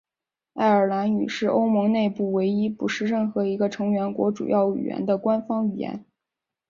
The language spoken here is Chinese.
爱尔兰语是欧盟内部唯一不是任何一个成员国主要语言的官方语言。